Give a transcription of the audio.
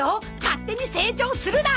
勝手に成長するな！